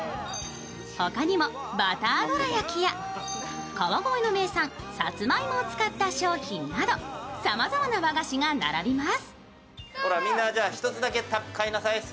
他にも、バターどら焼きや川越の名産・さつまいもを使った商品などさまざまな和菓子が並びます。